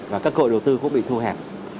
và các cội đầu tư cũng bị thu hẹp